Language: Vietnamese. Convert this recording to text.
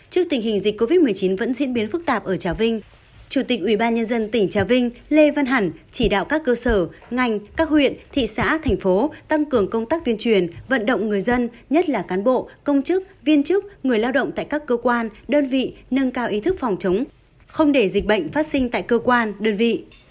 trước tình hình dịch covid một mươi chín vẫn diễn biến phức tạp ở trà vinh chủ tịch ủy ban nhân dân tỉnh trà vinh lê văn hẳn chỉ đạo các cơ sở ngành các huyện thị xã thành phố tăng cường công tác tuyên truyền vận động người dân nhất là cán bộ công chức viên chức người lao động tại các cơ quan đơn vị nâng cao ý thức phòng chống không để dịch bệnh phát sinh tại cơ quan đơn vị